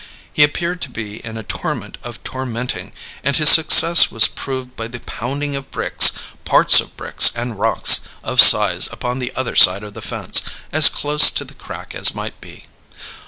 He appeared to be in a torment of tormenting; and his success was proved by the pounding of bricks, parts of bricks and rocks of size upon the other side of the fence, as close to the crack as might be.